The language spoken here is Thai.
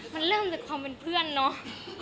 มันเริ่มจากความเป็นเพื่อนเนาะ